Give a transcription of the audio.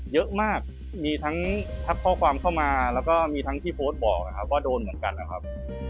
เยอะมากมีทั้งทักข้อความเข้ามาแล้วก็มีทั้งที่โพสต์บอกนะครับว่าโดนเหมือนกันนะครับ